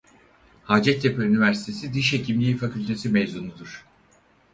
Hacettepe Üniversitesi Diş Hekimliği Fakültesi mezunudur.